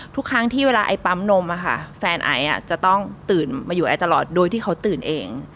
ทุกครั้งที่เวลาไอ้ปั๊มนมแฟนไอจะต้องตื่นมาอยู่ไอตลอดโดยที่เขาตื่นเอง